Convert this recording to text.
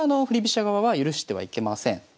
振り飛車側は許してはいけません。